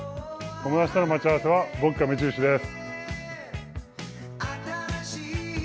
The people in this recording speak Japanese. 友達との待ち合わせは、僕が目印です。